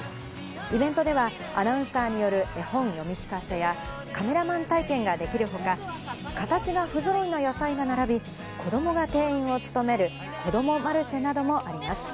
イベントではアナウンサーによる絵本読み聞かせや、カメラマン体験ができるほか、形が不ぞろいな野菜が並び、子供が店員を務める、こどもマルシェなどもあります。